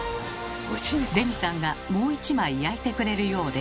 レミさんがもう一枚焼いてくれるようです。